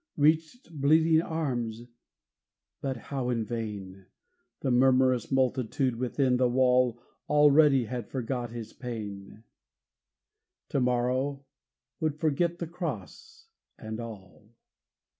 Reached bleeding arms but how in vain! The murmurous multitude within the wall Already had forgot His pain To morrow would forget the cross and all!